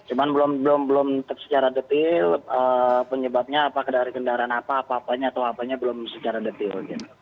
cuman belum secara detil penyebabnya apa dari kendaraan apa apa apanya belum secara detil